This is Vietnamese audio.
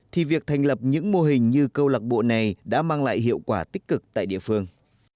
thì việc thành lập những mô hình như câu lạc bộ này đã mang lại hiệu quả tích cực tại địa phương